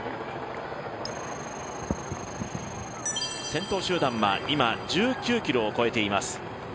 先頭集団は今、１９ｋｍを超えています。